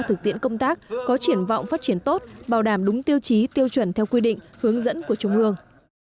thực tiễn công tác có triển vọng phát triển tốt bảo đảm đúng tiêu chí tiêu chuẩn theo quy định hướng dẫn của trung ương